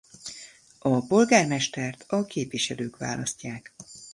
A polgármestert a képviselők választják.